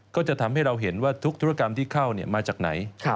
ก็จะทำให้เราเห็นว่าทุกธุรกรรมที่เข้ามาจากไหน